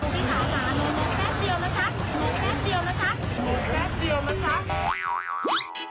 ผมมีขาวหมาโน่นแค่เดียวนะครับโน่นแค่เดียวนะครับโน่นแค่เดียวนะครับ